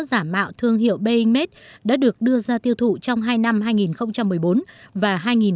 chỉ giảm mạo thương hiệu ebot và chín hộp sữa giả mạo thương hiệu bainmade đã được đưa ra tiêu thụ trong hai năm hai nghìn một mươi bốn và hai nghìn một mươi năm